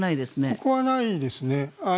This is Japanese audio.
ここはないですね。